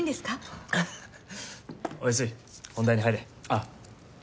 あっ。